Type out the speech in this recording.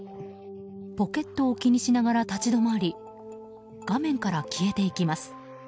ポケットを気にしながら立ち止まり画面から消えていきます。